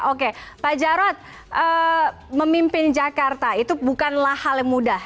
oke pak jarod memimpin jakarta itu bukanlah hal yang mudah